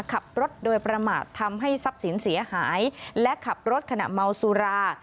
ขับรถโดยประมาททำให้ทรัพย์สินเสียหายและขับรถขณะเมาสุรา